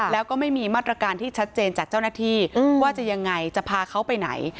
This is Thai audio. แล้วก็ไม่มีมาตรการที่ชัดเจนจากเจ้าหน้าที่ว่าจะยังไงจะพาเขาไปไหน